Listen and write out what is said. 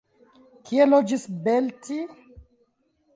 Kie loĝis Belti?